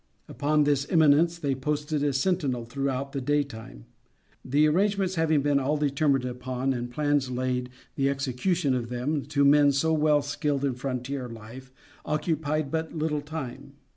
Upon this eminence they posted a sentinel throughout the day time. Their arrangements having been all determined upon and plans laid, the execution of them, to men so well skilled in frontier life, occupied but little time.